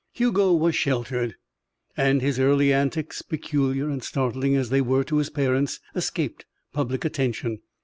Hugo was sheltered, and his early antics, peculiar and startling as they were to his parents, escaped public attention.